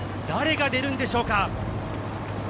誰が出るんでしょうか。